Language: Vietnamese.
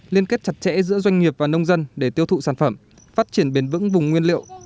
liên kết chặt chẽ giữa doanh nghiệp và nông dân để tiêu thụ sản phẩm phát triển bền vững vùng nguyên liệu